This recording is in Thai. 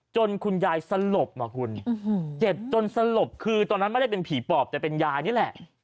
คุณยายสลบอ่ะคุณเจ็บจนสลบคือตอนนั้นไม่ได้เป็นผีปอบแต่เป็นยายนี่แหละ